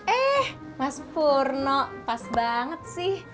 eh mas purno pas banget sih